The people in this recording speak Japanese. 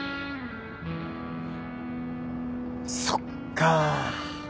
そっか。